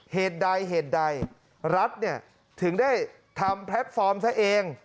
เหตุใดรัฐถึงได้ทำแพลปฟอร์มซะเอง